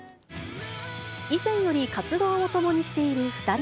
以前より活動を共にしている２人。